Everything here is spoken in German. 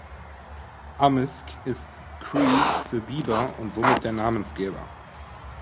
Amisk ist Cree für Biber und somit der Namensgeber.